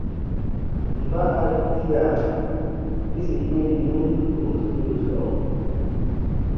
Mba a gia yĩsi gbinnun sɔ̃ɔsiru sɔɔ?